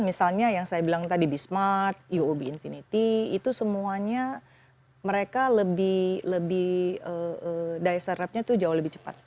jadi semuanya yang saya bilang tadi bsmart uob infinity itu semuanya mereka lebih daya serapnya tuh jauh lebih cepat